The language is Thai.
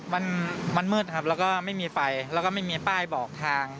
มันมันมืดครับแล้วก็ไม่มีไฟแล้วก็ไม่มีป้ายบอกทาง